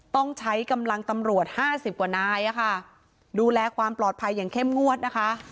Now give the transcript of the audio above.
ต้องใช้กำลังตำรวจห้าสิบกว่านายอะค่ะดูแลความปลอดภัยอย่างเข้มงวดนะคะ